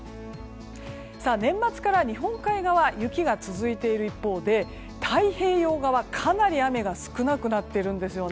年末から日本海側雪が続いている一方で太平洋側はかなり雨が少なくなっています。